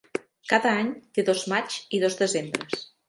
Cada any té dos maig i dos desembres.